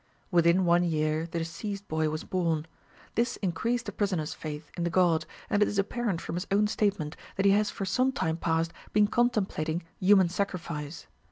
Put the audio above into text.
Within one year, the deceased boy was born. This increased the prisoner's faith in the god, and it is apparent from his own statement that he has for some time past been contemplating human sacrifice.